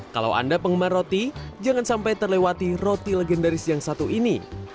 kalau anda penggemar roti jangan sampai terlewati roti legendaris yang satu ini